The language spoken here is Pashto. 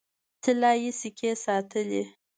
طلايي سکې ساتلې.